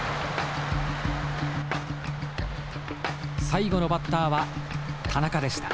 最後のバッターは田中でした。